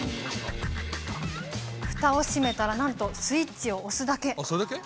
ふたを閉めたら、なんとスイッチを押すだけ。